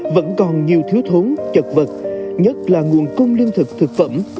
vẫn còn nhiều thiếu thốn chật vật nhất là nguồn công liên thực thực phẩm